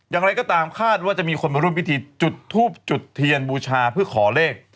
อย่างไรก็ตามคาดว่าจะมีคนมาร่วมพิธีจุดทูบจุดเทียนบูชาเพื่อขอเลข